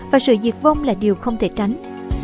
và sự diệt vong là điều không thể tránh